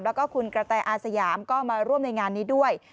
แล้วก็คุณกระแตอาสยามก็มาร่วมในงานนี้ด้วย